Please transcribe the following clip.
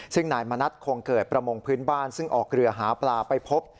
ซึ่งนายมณัฐคงเกิดประมงพื้นบ้านซึ่งออกเรือหาปลาไปพบ